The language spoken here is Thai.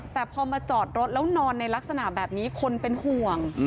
แต่พอมาจอดรถแล้วนอนในลักษณะแบบนี้คนเป็นห่วง